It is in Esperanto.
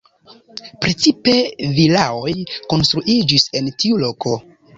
Precipe vilaoj konstruiĝis en tiu loko.